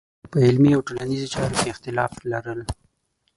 په علمي او ټولنیزو چارو کې اختلاف لرل.